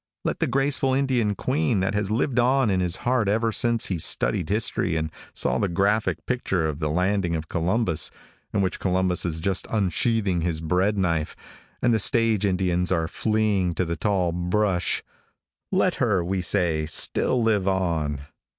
Let the graceful Indian queen that has lived on in his heart ever since he studied history and saw the graphic picture of the landing of Columbus, in which Columbus is just unsheathing his bread knife, and the stage Indians are fleeing to the tall brush; let her, we say, still live on.